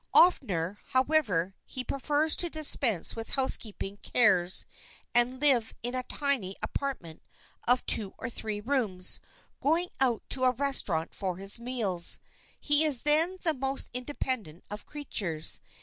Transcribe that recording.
Oftener, however, he prefers to dispense with housekeeping cares and live in a tiny apartment of two or three rooms, going out to a restaurant for his meals. He is then the most independent of creatures.